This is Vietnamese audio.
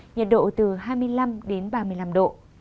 nhiệt độ từ hai mươi năm đến ba mươi năm độ